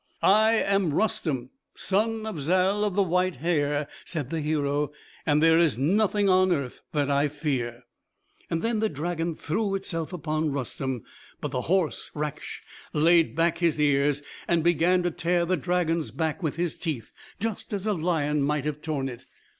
"I am Rustem, son of Zal of the white hair," said the hero, "and there is nothing on earth that I fear." Then the dragon threw itself upon Rustem. But the horse Raksh laid back his ears, and began to tear the dragon's back with his teeth, just as a lion might have torn it.